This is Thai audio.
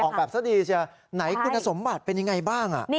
ออกแบบซะดีเชียไหนคุณสมบัติเป็นยังไงบ้าง